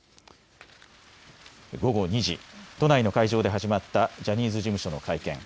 午後２時、都内の会場で始まった、ジャニーズ事務所の会見。